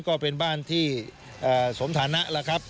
ก็เป็นบ้านที่สมฐานนะครับ